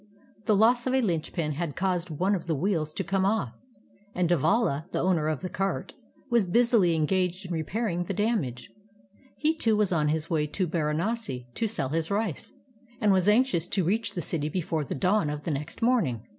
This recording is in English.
The loss of a Hnchpin had caused one of the wheels to come off, and Devala. the owner of the cart, was busily engaged in repairing the damage. He, too, was on his way to Baranasi to sell his rice, and was anxious to reach the city before the dawn of the next morning.